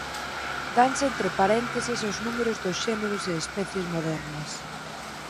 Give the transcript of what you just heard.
Danse entre parénteses os números dos xéneros e especies modernas.